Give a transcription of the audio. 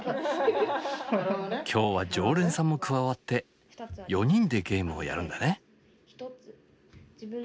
今日は常連さんも加わって４人でゲームをやるんだね。